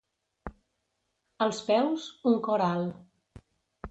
Als peus, un cor alt.